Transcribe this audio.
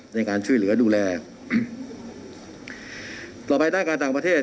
ในการช่วยเหลือดูแลต่อไปด้านการต่างประเทศ